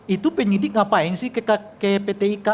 itu penyidik ngapain sih ke pt ika